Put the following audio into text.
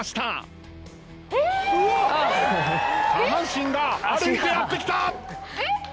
下半身が歩いてやって来た！